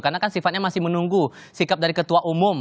karena kan sifatnya masih menunggu sikap dari ketua umum